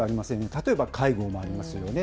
例えば介護もありますよね。